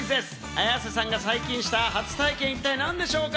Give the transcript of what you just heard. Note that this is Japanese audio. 綾瀬さんが最近した初体験は一体何でしょうか？